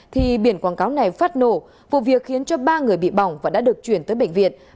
thì biển quảng cáo này phát nổ vụ việc khiến cho ba người bị bỏng và đã được chuyển tới bệnh viện